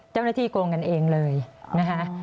เจ้าหน้าที่โกงกันเองเลยนะฮะ